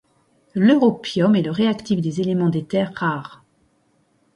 L'europium est le plus réactif des éléments des terres rares.